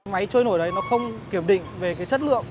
máy trôi nổi đấy nó không kiểm định về cái chất lượng